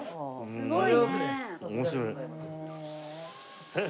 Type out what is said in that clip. すごい！